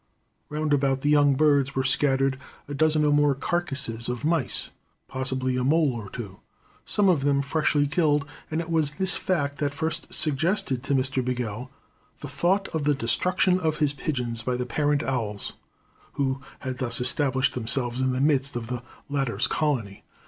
Round about the young birds were scattered a dozen or more carcasses of mice (possibly a mole or two), some of them freshly killed, and it was this fact that first suggested to Mr. Bigell the thought of the destruction of his pigeons by the parent owls, who had thus established themselves in the midst of the latter's colony.